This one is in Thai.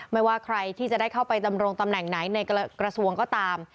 ไม่ว่าใครที่จะได้เข้าไปดำรงตำแหน่งไหนในกระทรวงก็ตาม